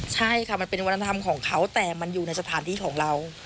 ใช่ค่ะมันเป็นวัฒนธรรมของเขาแต่มันอยู่ในสถานที่ของเรา